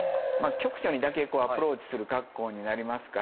局所にだけアプローチする格好になりますから。